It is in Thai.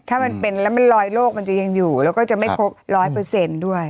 ถ้ามันเป็นแล้วมันลอยโรคมันจะยังอยู่แล้วก็จะไม่ครบ๑๐๐ด้วย